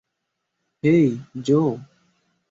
হেই, জো।